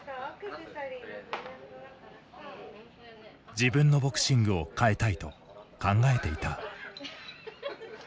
自分のボクシングを変えたいと考えていた。